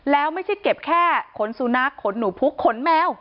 แล้วไม่ใช่เก็บแค่ขนสุนัขขนหนูพุกขนแมว